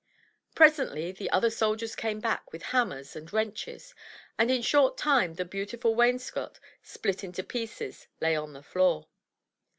Presently the other soldiers came back with hammers and wrenches, and in a short time the beautiful wainscot, split into pieces, lay on the floor.